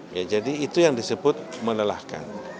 ya jadi itu yang disebut melelahkan